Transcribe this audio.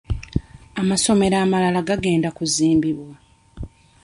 Amasomero amalala gagenda kuzimbibwa.